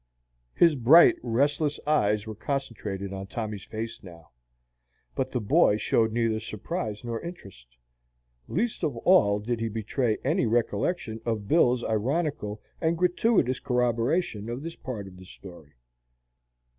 His bright, restless eyes were concentrated on Tommy's face now, but the boy showed neither surprise nor interest. Least of all did he betray any recollection of Bill's ironical and gratuitous corroboration of this part of the story.